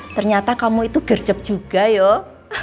ternyata kamu itu gercep juga yuk